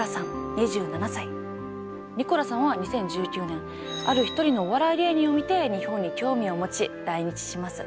ニコラさんは２０１９年ある一人のお笑い芸人を見て日本に興味を持ち来日します。